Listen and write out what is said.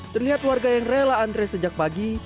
terlihat warga yang rela antre sejak pagi